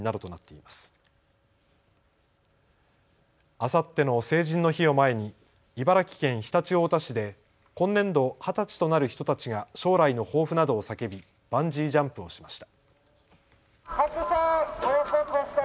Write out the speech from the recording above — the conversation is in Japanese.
あさっての成人の日を前に茨城県常陸太田市で今年度二十歳となる人たちが将来の抱負などを叫びバンジージャンプをしました。